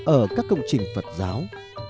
ở các công trình phật giáo